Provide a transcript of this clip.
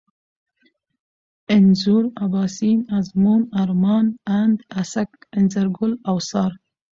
انځور ، اباسين ، ازمون ، ارمان ، اند، اڅک ، انځرگل ، اوڅار